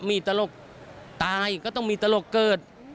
มีตลกตายก็ต้องมีตลกเกิด